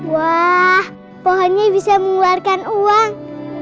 wah pohonnya bisa mengeluarkan uang